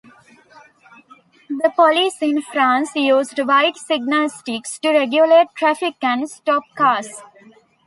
The police in France used white signal sticks to regulate traffic and stop cars.